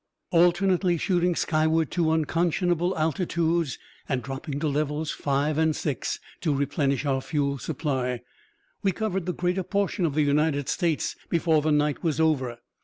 Alternately shooting skyward to unconscionable altitudes and dropping to levels five and six to replenish our fuel supply, we covered the greater portion of the United States before the night was over.